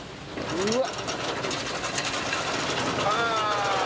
うわっ！